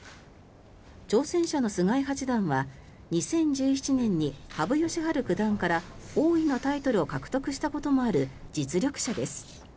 挑戦者の菅井八段は２０１７年に羽生善治九段から王位のタイトルを獲得したこともある実力者です。